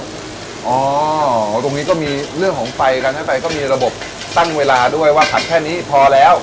ตรงนี้ก็มีเรื่องของไฟกันให้ไฟก็มีระบบตั้งเวลาด้วยว่าขัดแค่นี้พอแล้ว